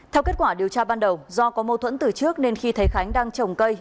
theo kết quả điều tra ban đầu do có mâu thuẫn từ trước nên khi thấy khánh đang trồng cây